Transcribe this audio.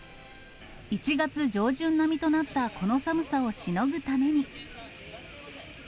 １月上旬並みとなったこの寒さをしのぐために。